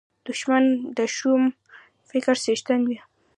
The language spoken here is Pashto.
دښمن د شوم فکر څښتن وي